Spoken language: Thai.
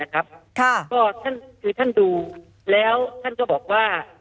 ก็คือท่านดูแล้วท่านก็บอกว่า